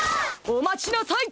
おまちなさい！